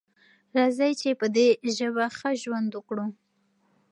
راځئ چې په دې ژبه ښه ژوند وکړو.